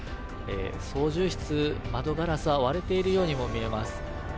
操縦室、窓ガラスは割れているようにも見えます。